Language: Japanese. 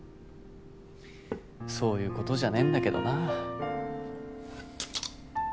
そういうことじゃねえんだけどな。